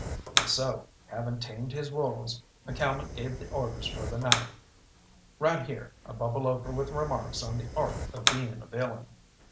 And so, having tamed his wolves, McCalmont gave the orders for the night. Right here I bubble over with remarks on the art of being a villain.